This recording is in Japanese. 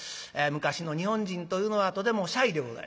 昔の日本人というのはとてもシャイでございます。